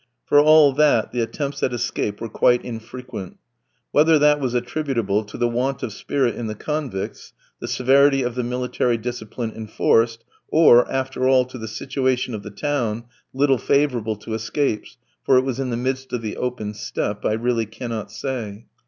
For all that the attempts at escape were quite infrequent. Whether that was attributable to the want of spirit in the convicts, the severity of the military discipline enforced, or, after all, to the situation of the town, little favourable to escapes, for it was in the midst of the open steppe, I really cannot say.